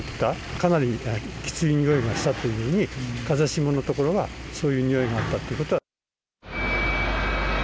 かなりきつい臭いがしたというふうに、風下の所はそういう臭いがあったってことは。